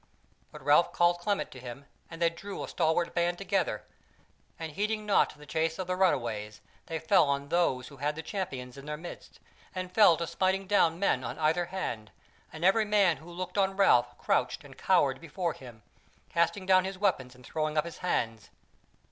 But Ralph called Clement to him and they drew a stalworth band together, and, heeding nought the chase of the runaways, they fell on those who had the Champions in their midst, and fell to smiting down men on either hand; and every man who looked on Ralph crouched and cowered before him, casting down his weapons and throwing up his hands.